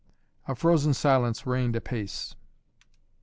A frozen silence reigned apace.